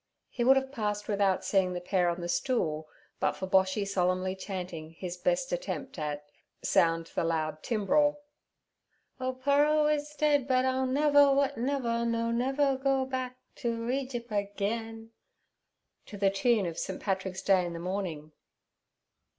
He would have passed without seeing the pair on the stool but for Boshy solemnly chanting his best attempt at 'Sound the loud timbrel'—' "Ole P'aro is dead, but I'll never, wot never, no never, go back into Egyp' agin "'—to the tune of 'St. Patrick's Day in the Morning.'